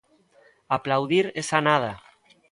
Aplaudir esa nada.